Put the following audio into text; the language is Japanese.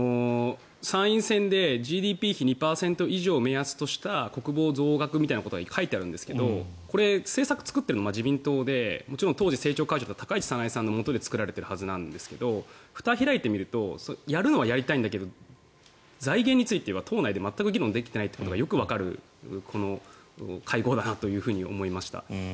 参院選でＧＤＰ比２％以上を目安とした国防増額みたいなことは書いてあるんですがこれ、政策を作っているのは自民党でもちろん当時政調会長の高市早苗さんのもとで作られているはずなんですけどふたを開いてみるとやるはやりたいんだけど財源については党内で全く議論ができていないことがよくわかるこの会合だなと思いました。